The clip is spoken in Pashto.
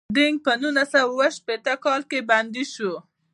دینګ په نولس سوه اووه شپیته کال کې بندي شو.